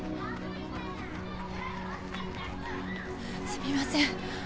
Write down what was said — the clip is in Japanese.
すみません。